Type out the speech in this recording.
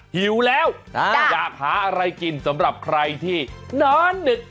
หาอะไรกินสำหรับใครที่น้อนหนึก